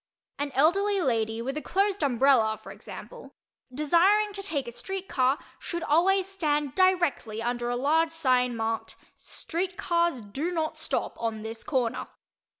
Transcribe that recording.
An elderly lady with a closed umbrella, for example, desiring to take a street car, should always stand directly under a large sign marked "Street Cars Do Not Stop On This Corner."